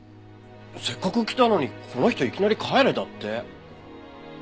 せっかく来たのにこの人いきなり帰れだって。